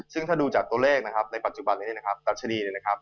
ซึ่งถ้าดูจากตัวเลขนะครับในปัจจุบันนี้นะครับดัชนีเนี่ยนะครับ